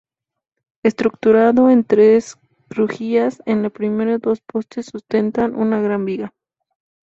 Estructurado en tres crujías, en la primera dos postes sustentan una gran viga.